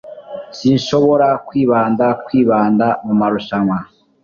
Sinshobora kwibanda kwibanda mumarushanwa